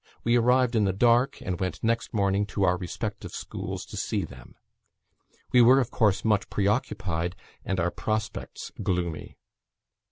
We arrived in the dark, and went next morning to our respective schools to see them. We were, of course, much preoccupied, and our prospects gloomy.